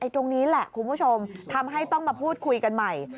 ตรงนี้แหละคุณผู้ชมทำให้ต้องมาพูดคุยกันใหม่